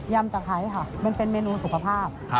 ำตะไคร้ค่ะมันเป็นเมนูสุขภาพ